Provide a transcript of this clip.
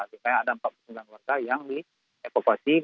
jadi ada empat puluh sembilan warga yang dievakuasi